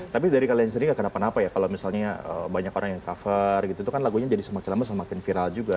tapi dari kalian sendiri gak kenapa napa ya kalau misalnya banyak orang yang cover gitu itu kan lagunya jadi semakin lama semakin viral juga